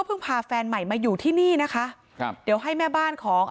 พาแฟนใหม่มาอยู่ที่นี่นะคะครับเดี๋ยวให้แม่บ้านของ